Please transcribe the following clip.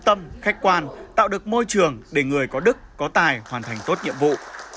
tâm khách quan tạo được môi trường để người có đức có tài hoàn thành tốt nhiệm vụ